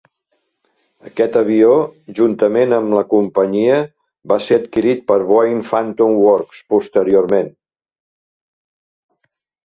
Aquest avió, juntament amb la companyia, va ser adquirit per Boeing Phantom Works posteriorment.